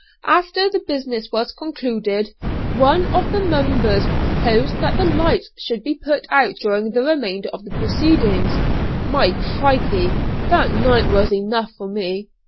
After the business was concluded, one of the members proposed that the lights should be put out during the remainder of the proceedings. My Crikey! that night was enough for me....